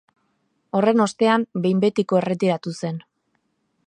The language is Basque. Horren ostean, behin betiko erretiratu zen.